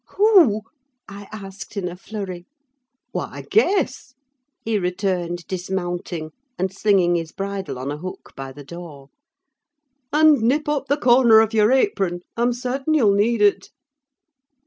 "Who?" I asked in a flurry. "Why, guess!" he returned, dismounting, and slinging his bridle on a hook by the door. "And nip up the corner of your apron: I'm certain you'll need it."